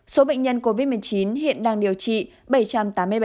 số bệnh nhân covid một mươi chín hiện đang điều trị bảy trăm tám mươi bảy ca